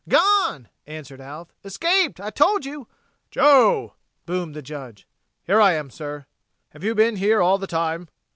"Gone!" answered Alf. "Escaped! I told you...." "Joe!" boomed the Judge. "Here I am, sir." "Have you been here all the time?"